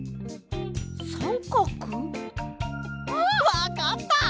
わかった！